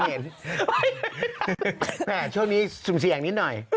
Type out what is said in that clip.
แปลว่าช่วงนี้สูงเสียงนิดหน่อย